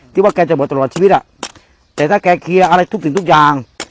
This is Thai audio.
ว่าแกจะหมดตลอดชีวิตอ่ะแต่ถ้าแกเคลียร์อะไรทุกสิ่งทุกอย่าง